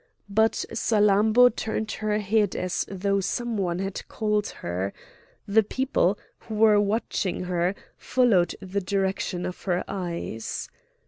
But Salammbô turned her head as though some one had called her; the people, who were watching her, followed the direction of her eyes.